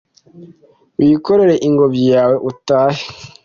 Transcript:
wikorere ingobyi yawe utahe